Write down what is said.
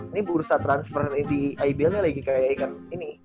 ini berusaha transfer di aibilnya lagi kayak ikan ini